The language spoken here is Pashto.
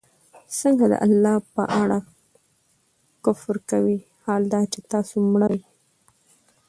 څنگه د الله په اړه كفر كوئ! حال دا چي تاسو مړه وئ